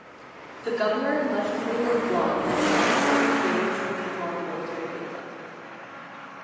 The Governor and Legislature of Guam have been engaged with the Guam Military Buildup.